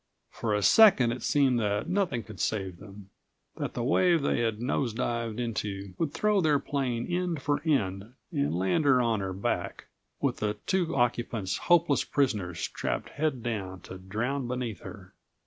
For a second it seemed that nothing could save them, that the wave they had nose dived into would throw their plane end for end and land her on her back, with her two occupants hopeless prisoners strapped head down to drown beneath her.